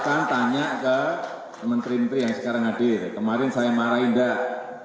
saya tanya ke kementerian menteri yang sekarang hadir kemarin saya marah tidak